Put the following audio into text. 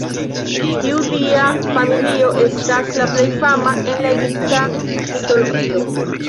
Tiu dia familio estas la plej fama en la egipta mitologio.